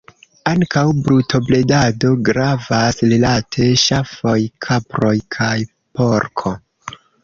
Ankaŭ brutobredado gravas rilate ŝafoj, kaproj kaj porko.